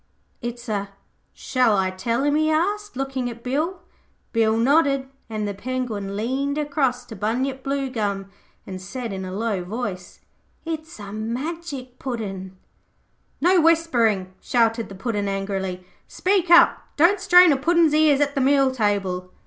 'It's a Shall I tell him?' he asked, looking at Bill. Bill nodded, and the Penguin leaned across to Bunyip Bluegum and said in a low voice, 'It's a Magic Puddin'.' 'No whispering,' shouted the Puddin' angrily. 'Speak up. Don't strain a Puddin's ears at the meal table.'